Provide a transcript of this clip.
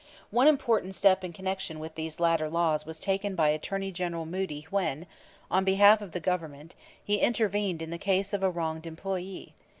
One important step in connection with these latter laws was taken by Attorney General Moody when, on behalf of the Government, he intervened in the case of a wronged employee.